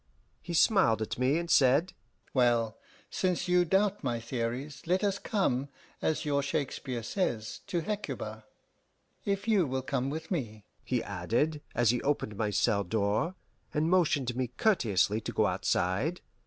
He smiled at me, and said, "Well, since you doubt my theories, let us come, as your Shakespeare says, to Hecuba.... If you will come with me," he added, as he opened my cell door, and motioned me courteously to go outside.